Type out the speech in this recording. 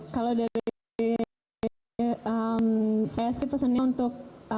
kalau dari saya sih pesannya untuk